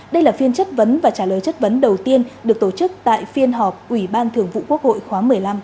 đây là phiên chất vấn và trả lời chất vấn đầu tiên được tổ chức tại phiên họp ủy ban thường vụ quốc hội khóa một mươi năm